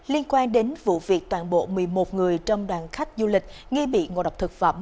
liên quan đến vụ việc toàn bộ một mươi một người trong đoàn khách du lịch nghi bị ngộ độc thực phẩm